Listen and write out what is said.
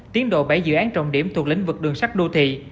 tiến độ bảy dự án trọng điểm thuộc lĩnh vực đường sắt đô thị